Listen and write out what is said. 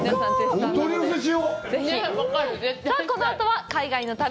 このあとは海外の旅。